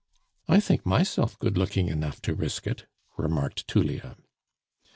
"I think myself good looking enough to risk it," remarked Tullia.